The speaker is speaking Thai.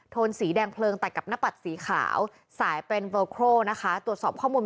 นสีแดงเพลิงตัดกับหน้าปัดสีขาวสายเป็นโบโครนะคะตรวจสอบข้อมูล